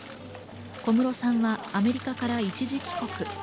小室さんはアメリカから一時帰国。